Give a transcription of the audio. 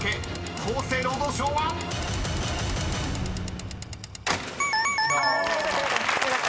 ［厚生労働省は⁉］よかったよかった。